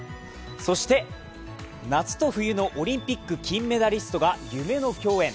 そして夏と冬のオリンピック金メダリストが夢の共演。